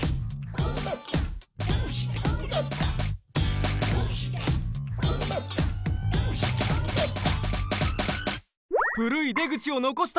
こうなった？